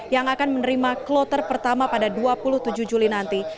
yang akan menerima kloter pertama pada dua puluh tujuh juli nanti